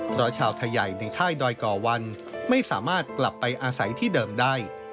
เพราะชาวไทยใหญ่ในค่ายดอยก่อวันไม่สามารถกลับไปอาศัยที่เดิมได้